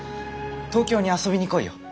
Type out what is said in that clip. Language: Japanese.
東京に遊びに来いよ。